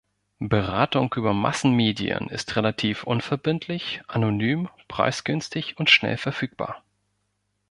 Beratung über Massenmedien ist relativ unverbindlich, anonym, preisgünstig und schnell verfügbar.